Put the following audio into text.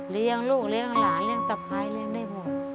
เลี้ยงลูกเลี้ยงหลานเลี้ยงตะไคร้เลี้ยงได้หมด